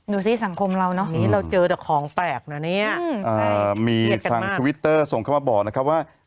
ดูสิสังคมเราเนอะนี้เราเจอแต่ของแปลกนะเนี่ยมีทางทวิตเตอร์ส่งเข้ามาบอกนะครับว่า